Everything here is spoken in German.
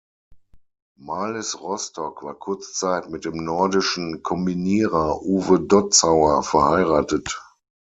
Marlies Rostock war kurze Zeit mit dem Nordischen Kombinierer Uwe Dotzauer verheiratet.